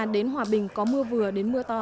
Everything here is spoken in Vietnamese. đến hòa bình có mưa vừa đến mưa to